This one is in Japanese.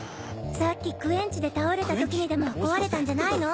さっきクエンチで倒れた時にでも壊れたんじゃないの？